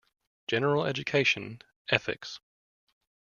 General Education, Ethics.